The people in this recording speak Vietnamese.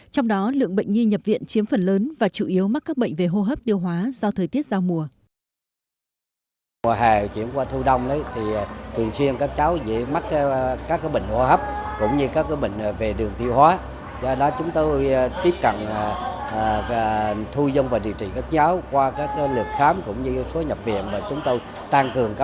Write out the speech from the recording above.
trong đó lượng bệnh nhi nhập viện chiếm phần lớn và chủ yếu mắc các bệnh về hô hấp tiêu hóa sau thời tiết giao mùa